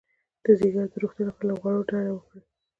د ځیګر د روغتیا لپاره له غوړو ډډه وکړئ